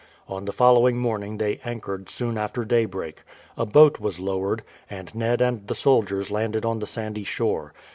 On the following morning they anchored soon after daybreak. A boat was lowered, and Ned and the soldiers landed on the sandy shore.